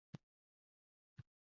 Ko’ngildagi sabot qadar teranlik bor.